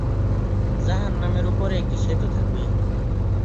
জাহান্নামের ওপরে একটি সেতু থাকবে।